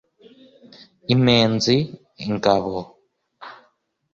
impenzi: ingabo